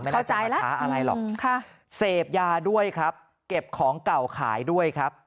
เข้าใจลูกค้าอะไรหรอกเสพยาด้วยครับเก็บของเก่าขายด้วยครับ